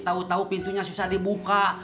tau tau pintunya susah dibuka